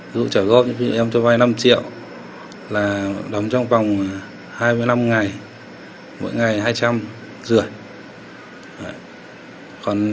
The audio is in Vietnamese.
ví dụ trả góp ví dụ em cho vai năm triệu là đóng trong vòng hai mươi năm ngày mỗi ngày hai trăm linh rưỡi